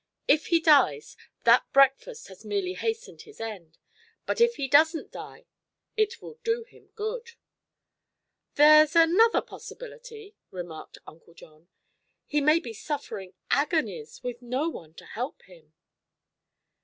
If he dies, that breakfast has merely hastened his end; but if he doesn't die it will do him good." "There's another possibility," remarked Uncle John. "He may be suffering agonies with no one to help him."